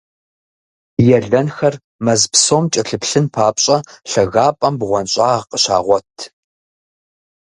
Елэнхэр мэз псом кӀэлъыплъын папщӀэ, лъагапӀэм бгъуэнщӀагъ къыщагъуэт.